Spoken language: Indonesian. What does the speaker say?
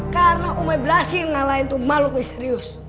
karena umai berhasil ngalahin tumbaluk wisterius